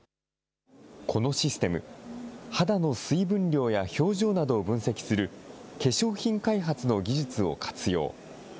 このシステム、肌の水分量や表情などを分析する化粧品開発の技術を活用。